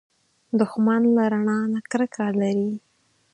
دښمن له رڼا نه کرکه لري